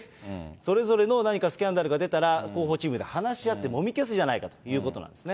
それぞれの何かスキャンダルが出たら、広報チームで話し合って、もみ消すじゃないかということなんですね。